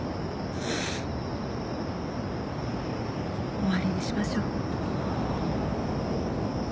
終わりにしましょう。